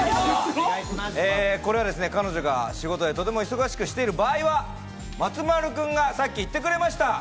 彼女が仕事で忙しくしている場合は、松丸君がさっき言ってくれました。